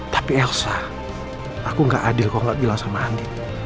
tapi elsa aku gak adil kok gak bilang sama andi